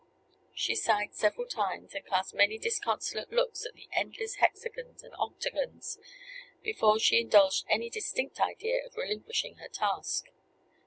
She sighed several times, and cast many disconsolate looks at the endless hexagons and octagons, before she indulged any distinct idea of relinquishing her task.